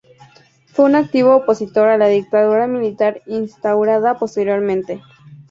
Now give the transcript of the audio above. Fue un activo opositor a la dictadura militar instaurada posteriormente.